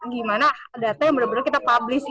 gimana data yang bener bener kita publish